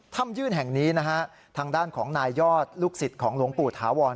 ยื่นแห่งนี้นะฮะทางด้านของนายยอดลูกศิษย์ของหลวงปู่ถาวร